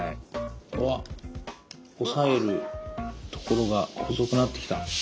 うわっ押さえるところが細くなってきた。